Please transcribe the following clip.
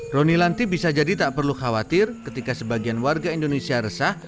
roni lanti bisa jadi tak perlu khawatir ketika sebagian warga indonesia resah